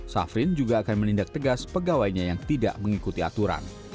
safrin juga akan menindak tegas pegawainya yang tidak mengikuti aturan